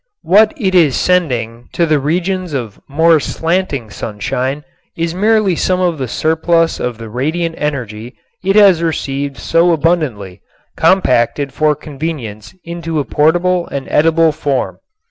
What it is sending to the regions of more slanting sunshine is merely some of the surplus of the radiant energy it has received so abundantly, compacted for convenience into a portable and edible form.